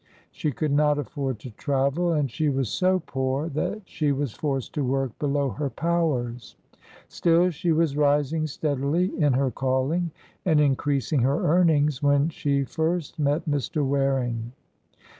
She could not afford to travel, and she was so poor that she was forced to work below her powers. Still, she was rising steadily in her calling, and increasing her earnings, when she first met Mr. Waring."